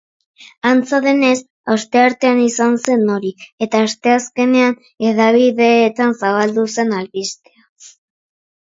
Antza denez, asteartean izan zen hori eta asteazkenean hedabideetan zabaldu zen albistea.